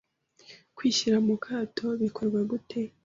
Kwishyira mu kato bikorwa gute